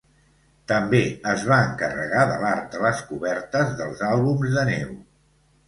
També es va encarregar de l'art de les cobertes dels àlbums de Neu!